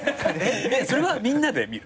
それはみんなで見る？